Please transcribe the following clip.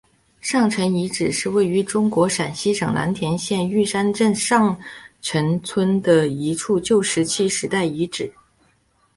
上陈遗址是位于中国陕西省蓝田县玉山镇上陈村的一处旧石器时代遗址。